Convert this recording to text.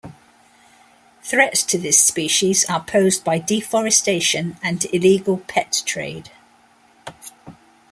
Threats to this species are posed by deforestation and illegal pet trade.